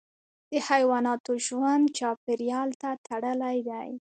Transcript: د حیواناتو ژوند چاپیریال ته تړلی دی.